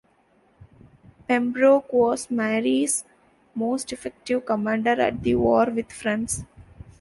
Pembroke was Mary's most effective commander at the war with France.